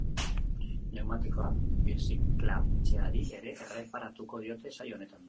Neumatikoak birziklatzeari ere erreparatuko diote saio honetan.